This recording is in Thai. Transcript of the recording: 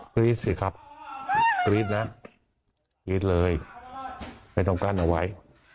กรี๊ดสิครับกรี๊ดนะกรี๊ดเลยไม่ต้องกั้นเอาไว้